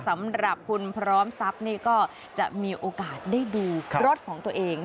สำหรับคุณพร้อมทรัพย์นี่ก็จะมีโอกาสได้ดูรถของตัวเอง